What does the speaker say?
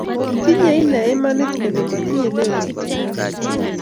Tinye inee imanit kole matinye lelut eng anee